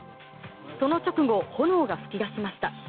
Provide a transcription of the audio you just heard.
その直後、炎が噴き出しました。